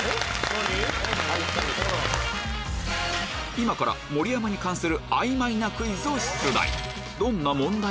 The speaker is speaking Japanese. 今から盛山に関するあいまいなクイズを出題